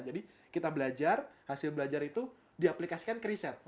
jadi kita belajar hasil belajar itu diaplikasikan ke riset